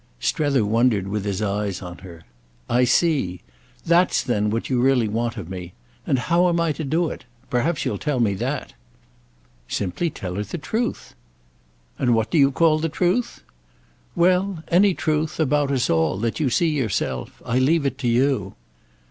Strether wondered with his eyes on her. "I see. That's then what you really want of me. And how am I to do it? Perhaps you'll tell me that." "Simply tell her the truth." "And what do you call the truth?" "Well, any truth—about us all—that you see yourself. I leave it to you."